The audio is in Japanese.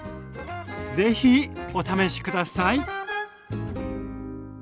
是非お試し下さい。